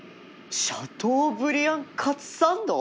シャトーブリアンカツサンド！？